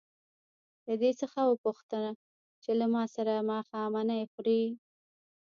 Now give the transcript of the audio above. له دې څخه وپوښته چې له ما سره ماښامنۍ خوري.